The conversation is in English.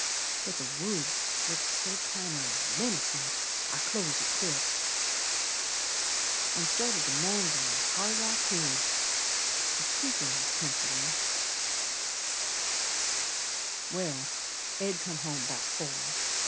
But the woods looked so kind of menacin' I closed it quick An' started to mangle's hard's I could, The squeakin' was comfortin'. Well, Ed come home 'bout four.